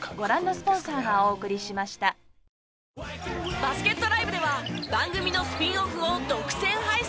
バスケットＬＩＶＥでは番組のスピンオフを独占配信。